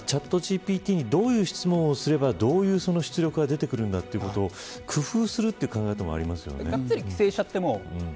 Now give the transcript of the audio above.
チャットＧＰＴにどういう質問をすればどういう出力が出てくるのかということを工夫するという考え方もありますね。